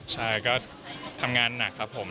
ใช่ก็ทำงานหนักครับผม